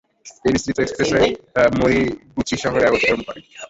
এই বিস্তৃত expressway Moriguchi শহরে অতিক্রম করে।